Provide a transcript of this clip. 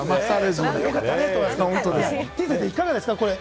てぃ先生、いかがですか？